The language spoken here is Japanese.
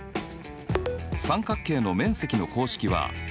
三角形の面積の公式は底辺×